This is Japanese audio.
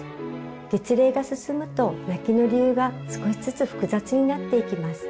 月齢が進むと泣きの理由が少しずつ複雑になっていきます。